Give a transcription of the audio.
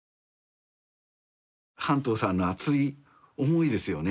半藤さんの熱い思いですよね